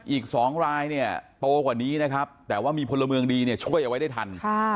อีก๒รายเนี่ยโตกว่านี้นะครับแต่ว่ามีพลเมืองดีเนี่ยช่วยเอาไว้ได้ทัน